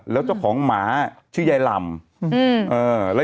แล้วเจ้าของหมาชื่อยายลำ